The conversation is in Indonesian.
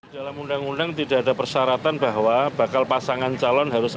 dalam undang undang tidak ada persyaratan bahwa bakal pasangan calon harus ada